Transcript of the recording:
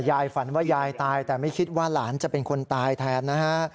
ฝันว่ายายตายแต่ไม่คิดว่าหลานจะเป็นคนตายแทนนะฮะ